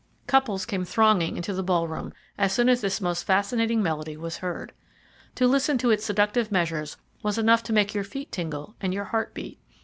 Couples came thronging into the ballroom as soon as this most fascinating melody was heard. To listen to its seductive measures was enough to make your feet tingle and your heart beat.